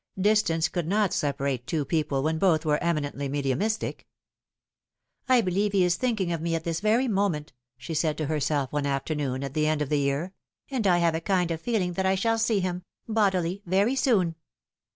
Distance could not separate two people when both were eminently mediumistic. "I believe he is thinking of me at this very moment," she said to herself one afternoon at the end of the year " and I have a kind of feeling that I shall see him bodily very soon."